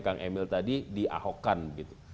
kang emil tadi di ahok kan gitu